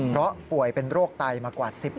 เพราะป่วยเป็นโรคไตมากว่า๑๐ปี